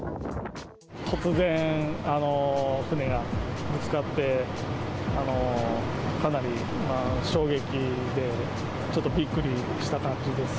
突然船がぶつかって、かなり衝撃で、ちょっとびっくりした感じです。